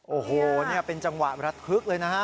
โอ้โหนี่เป็นจังหวะระทึกเลยนะฮะ